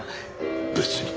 別に。